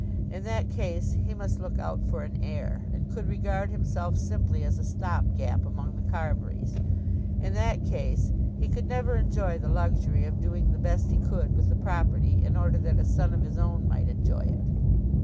In that case he must look out for an heir, and could regard himself simply as a stop gap among the Carburys. In that case he could never enjoy the luxury of doing the best he could with the property in order that a son of his own might enjoy it.